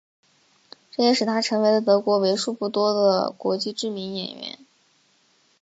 这也使他成为了德国为数不多的国际知名的演员。